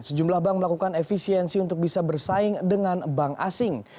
sejumlah bank melakukan efisiensi untuk bisa bersaing dengan bank asing